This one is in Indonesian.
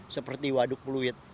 seperti waduk peluit